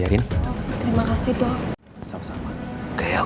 yakin terima kasih dong kayak gua kenal suara saya